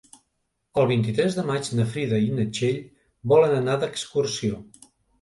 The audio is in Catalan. El vint-i-tres de maig na Frida i na Txell volen anar d'excursió.